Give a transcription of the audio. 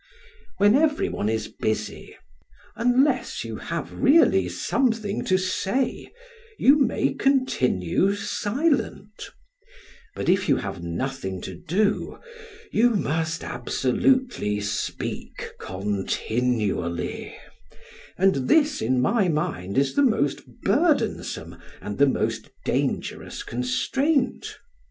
When every one is busy (unless you have really something to say), you may continue silent; but if you have nothing to do, you must absolutely speak continually, and this, in my mind, is the most burdensome and the most dangerous constraint.